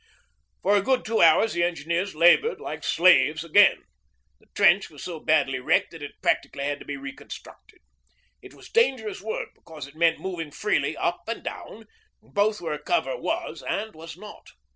For a good two hours the Engineers laboured like slaves again. The trench was so badly wrecked that it practically had to be reconstructed. It was dangerous work because it meant moving freely up and down, both where cover was and was not.